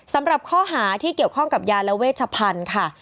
สำหรับข้อหาที่เกี่ยวข้องกับยาและเวชพันธุ์ค่ะ